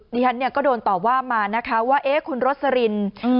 ดีฉันก็โดนตอบว่ามาว่าเอ๊ะคุณรสริน